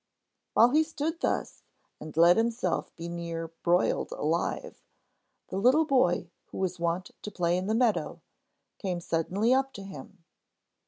While he stood thus, and let himself be nearly broiled alive, the little boy who was wont to play in the meadow came suddenly up to him.